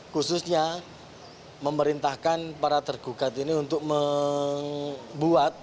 khususnya memerintahkan para tergugat ini untuk membuat